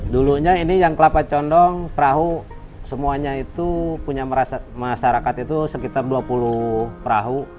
dulunya ini yang kelapa condong perahu semuanya itu punya masyarakat itu sekitar dua puluh perahu